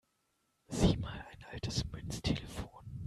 Sieh mal, ein altes Münztelefon!